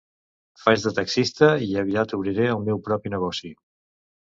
Faig de taxista i aviat obriré el meu propi negoci.